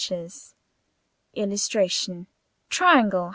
] [Illustration: TRIANGLE.